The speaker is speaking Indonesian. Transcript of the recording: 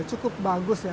cukup bagus ya